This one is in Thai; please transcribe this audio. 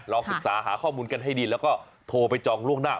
ศึกษาหาข้อมูลกันให้ดีแล้วก็โทรไปจองล่วงหน้า